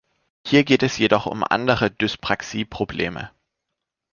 Hier geht es jedoch um andere Dyspraxie-Probleme.